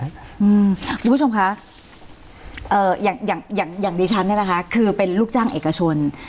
คุณผู้ชมค่ะอย่างดิฉันคือเป็นลูกจ้างเอกชน